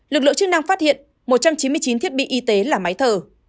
lực lượng chức năng phát hiện một trăm chín mươi chín thiết bị y tế là máy thở